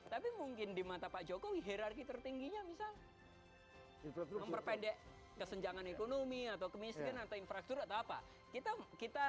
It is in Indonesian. tapi mungkin di mata pak jokowi hirarki tertingginya misal memperpendek kesenjangan ekonomi atau kemiskinan atau infrastruktur atau apa